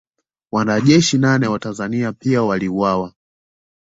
Wanajeshi nane wa Tanzania pia waliuawa